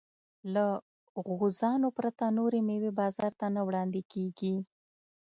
له غوزانو پرته نورې مېوې بازار ته نه وړاندې کېږي.